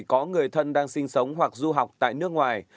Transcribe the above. có người thân đang sinh sống hoặc du học tại nước ngoài